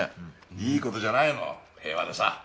いい事じゃないの平和でさ。